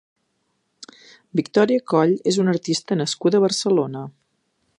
Victòria Coll és una artista nascuda a Barcelona.